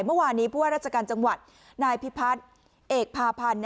เมื่อวานนี้ผู้ว่าราชการจังหวัดนายพิพัฒน์เอกพาพันธ์